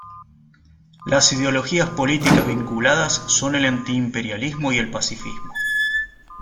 Las ideologías políticas vinculadas son el antiimperialismo y el pacifismo.